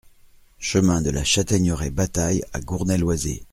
Chemin de la Chataigneraie Batail à Gournay-Loizé